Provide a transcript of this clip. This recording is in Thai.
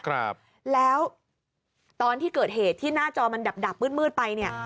ครับแล้วตอนที่เกิดเหตุที่หน้าจอมันดับดับมืดมืดไปเนี่ย